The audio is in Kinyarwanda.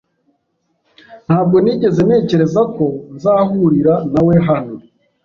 Ntabwo nigeze ntekereza ko nzahurira nawe hano.